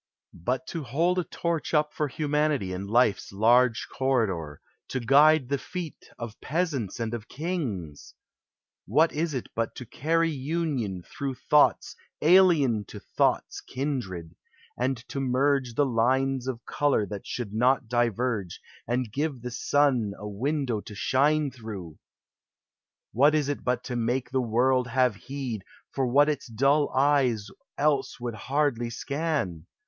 But to hold a torch up for Humanity in Life's large corridor, To guide the feet of peasants and of kin What is it but to carry union through Thoughts alien to thoughts kindred, and to merge The lines of color that should not diverge, And give the sun a window to shine through] What is it but to make the world have heed For what its dull eyes else would hardly scan